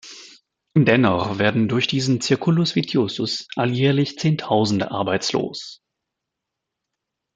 Dennoch werden durch diesen circulus vitiosus alljährlich Zehntausende arbeitslos.